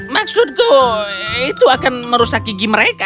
maksudku itu akan merusak gigi mereka